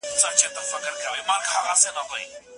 موږ دا رسموو.